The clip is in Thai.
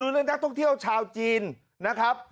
คุณลินทรัพย์ท่องเที่ยวชาตุจีนนะครับ